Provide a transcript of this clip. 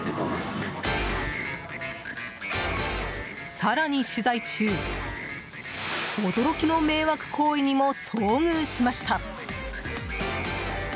更に取材中驚きの迷惑行為にも遭遇しました。